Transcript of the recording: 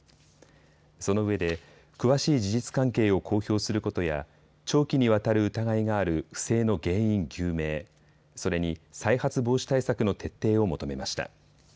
そのうえで詳しい事実関係を公表することや長期にわたる疑いがある不正の原因究明、それに、再発防止対策の徹底を求めました。